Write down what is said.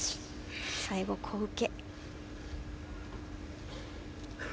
最後、狐受け。